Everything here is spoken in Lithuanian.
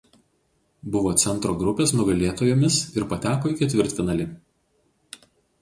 Buvo centro grupės nugalėtojomis ir pateko į ketvirtfinalį.